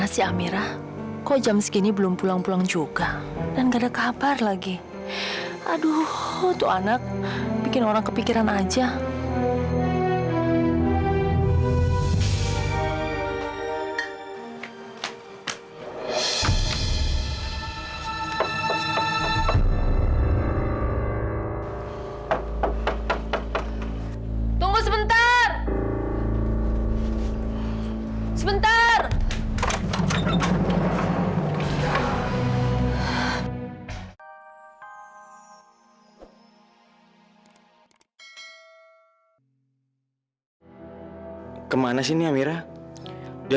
sampai jumpa di video selanjutnya